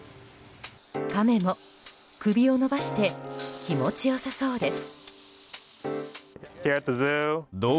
カメも首を伸ばして気持ちよさそうです。